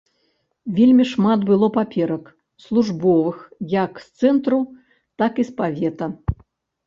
Вельмі шмат было паперак службовых як з цэнтру, так і з павета.